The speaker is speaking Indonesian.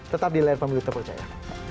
tetap di layar pemilu terpercaya